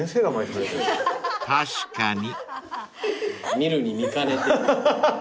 見るに見かねて。